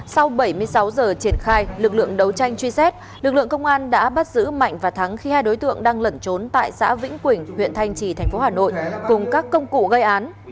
sau bảy mươi sáu giờ triển khai lực lượng đấu tranh truy xét lực lượng công an đã bắt giữ mạnh và thắng khi hai đối tượng đang lẩn trốn tại xã vĩnh quỳnh huyện thanh trì thành phố hà nội cùng các công cụ gây án